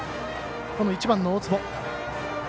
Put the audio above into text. この１番の大坪。